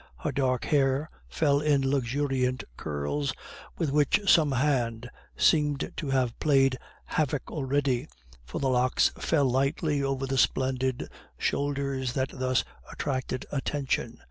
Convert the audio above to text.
Her dark hair fell in luxuriant curls, with which some hand seemed to have played havoc already, for the locks fell lightly over the splendid shoulders that thus attracted attention.